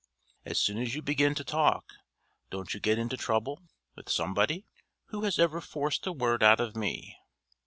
As soon as you begin to talk, don't you get into trouble with somebody? Who has ever forced a word out of me!"